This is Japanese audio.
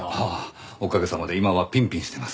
おかげさまで今はピンピンしてます。